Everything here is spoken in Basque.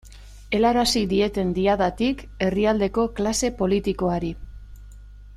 Helarazi dieten Diadatik herrialdeko klase politikoari.